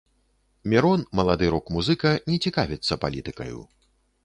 Мірон, малады рок-музыка, не цікавіцца палітыкаю.